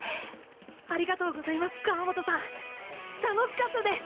ありがとうございます川本さん楽しかったです！